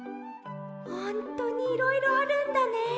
ほんとにいろいろあるんだね。